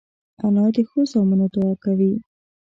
انا د ښو زامنو دعا کوي